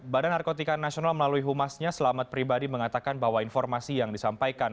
badan narkotika nasional melalui humasnya selamat pribadi mengatakan bahwa informasi yang disampaikan